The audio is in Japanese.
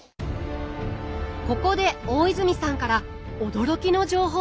ここで大泉さんから驚きの情報が！